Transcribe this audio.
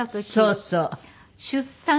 そうそう。